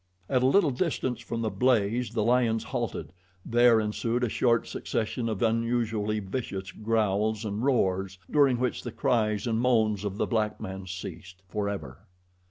At a little distance from the blaze the lions halted, there ensued a short succession of unusually vicious growls and roars, during which the cries and moans of the black man ceased forever.